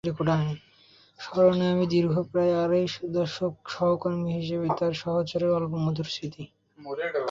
স্মরণে আনি দীর্ঘ প্রায় আড়াই দশক সহকর্মী হিসেবে তাঁর সাহচর্যের অম্লমধুর স্মৃতি।